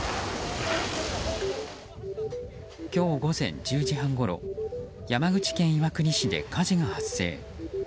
今日午前１０時半ごろ山口県岩国市で火事が発生。